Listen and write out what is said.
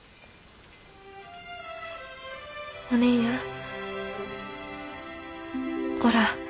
お姉やんおら